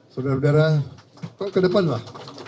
saudara saudara kok ke depan lah